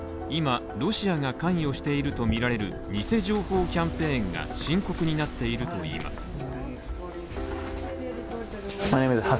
今、ロシアが関与しているとみられる偽情報キャンペーンが深刻になっているといいます。